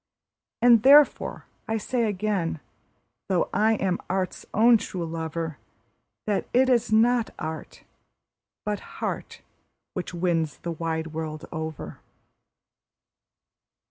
And therefore I say again, though I am art's own true lover, That it is not art, but heart, which wins the wide world over.